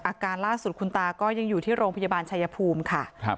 อาการล่าสุดคุณตาก็ยังอยู่ที่โรงพยาบาลชายภูมิค่ะ